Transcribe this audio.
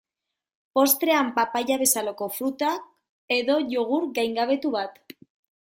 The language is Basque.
Postrean papaia bezalako frutak, edo jogurt gaingabetu bat.